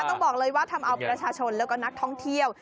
ต้องบอกเลยว่าทำเอาประชาชนแล้วก็นักท่องเที่ยว